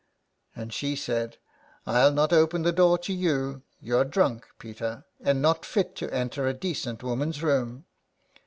And she said :—" I'll not open the door to you. You're drunk, Peter, and not fit to enter a decent woman's room."